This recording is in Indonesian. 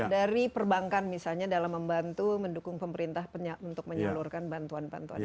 dari perbankan misalnya dalam membantu mendukung pemerintah untuk menyalurkan bantuan bantuan ini